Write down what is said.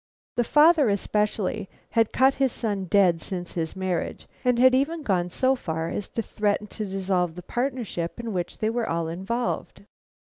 The father, especially, had cut his son dead since his marriage, and had even gone so far as to threaten to dissolve the partnership in which they were all involved.